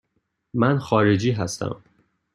من خارجی هستم.